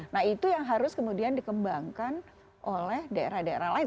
nah itu yang harus kemudian dikembangkan oleh daerah daerah lain